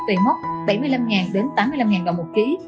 về mốc bảy mươi năm tám mươi năm ngàn đồng một kg